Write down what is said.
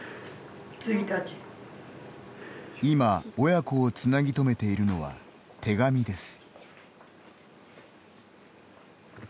今、親子をつなぎ止めているのは手紙です。